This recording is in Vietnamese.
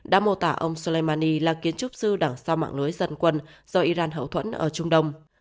đã mô tả ông soleimani là kiến trúc sư đằng sau mạng lưới dân quân do iran hậu thuẫn ở trung đông